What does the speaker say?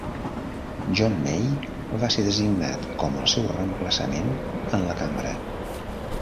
John May va ser designat com el seu reemplaçament en la Cambra.